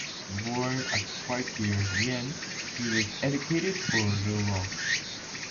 Born at Poitiers, Vienne, he was educated for the law.